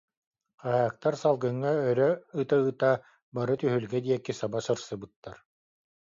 Хаһаактар салгыҥҥа өрө ыта-ыта, бары түһүлгэ диэки саба сырсыбыттар